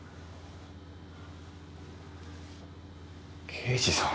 刑事さん。